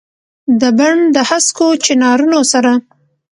دبڼ دهسکو چنارونو سره ،